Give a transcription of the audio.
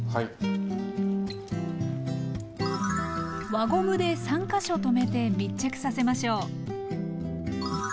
輪ゴムで３か所とめて密着させましょう。